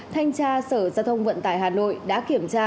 thành tra sở gia thông vận tải hà nội